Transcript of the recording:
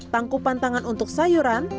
tangkupan tangan untuk sayuran